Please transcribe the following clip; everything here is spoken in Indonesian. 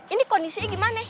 ini kondisinya gimana